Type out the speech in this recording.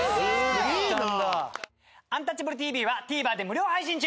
「アンタッチャブるＴＶ」はＴＶｅｒで無料配信中！